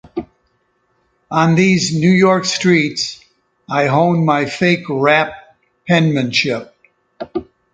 On these New York streets, I honed my fake rap penmanship.